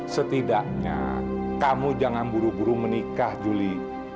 setidaknya kamu jangan buru buru menikah juli